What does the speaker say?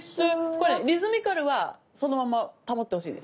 これリズミカルはそのまま保ってほしいんです。